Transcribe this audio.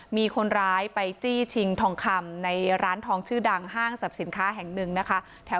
มีคนร้ายไปจี้ชิงทองคำในร้านทองชื่อดังห้างสรรพสินค้าแห่งหนึ่งนะคะ